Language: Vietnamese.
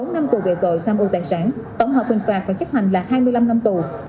một mươi bốn năm tù về tội tham ưu tài sản tổng hợp hình phạt và chấp hành là hai mươi năm năm tù